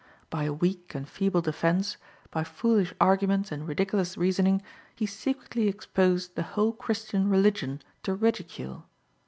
By a weak and feeble defence, by foolish arguments and ridiculous reasoning, he secretly exposed the whole Christian religion to ridicule.